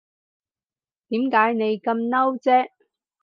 點解你咁嬲啫